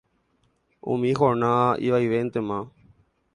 Umi jornada ivaivéntema.